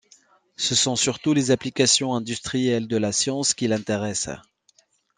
Ce sont surtout les applications industrielles de la science qui l’intéressent.